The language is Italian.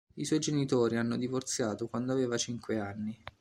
I suoi genitori hanno divorziato quando aveva cinque anni.